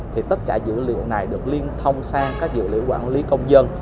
thì tất cả dữ liệu này được liên thông sang các dữ liệu quản lý công dân